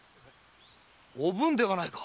おぶんではないか。